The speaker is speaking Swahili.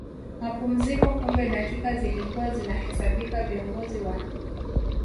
mapumziko Kumbe dakika zilikuwa zinahesabika viongozi wa